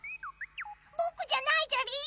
ぼくじゃないじゃりー。